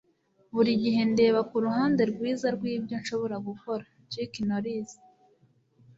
buri gihe ndeba ku ruhande rwiza rw'ibyo nshobora gukora. - chuck norris